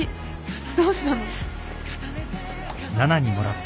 どうしたの？